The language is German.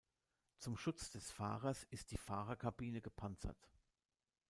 Zum Schutz des Fahrers ist die Fahrerkabine gepanzert.